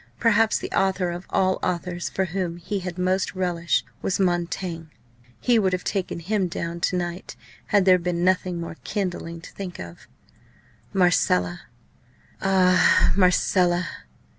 Perhaps the author of all authors for whom he had most relish was Montaigne. He would have taken him down to night had there been nothing more kindling to think of. Marcella! ah! Marcella!